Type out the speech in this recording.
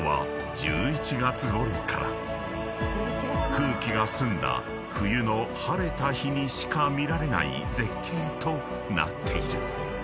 ［空気が澄んだ冬の晴れた日にしか見られない絶景となっている］